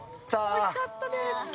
惜しかったです。